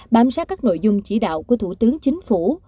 bám sát các nội dung chỉ đạo của thủ tướng chính phủ